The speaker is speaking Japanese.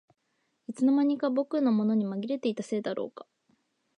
いつの間にか僕のものにまぎれていたせいだろうか